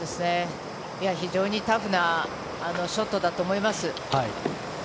非常にタフなショットだと思います。